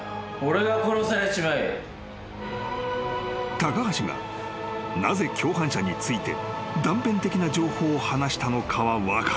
［高橋がなぜ共犯者について断片的な情報を話したのかは分からない］